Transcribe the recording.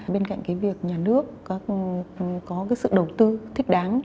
bên cạnh cái việc nhà nước có cái sự đầu tư thích đáng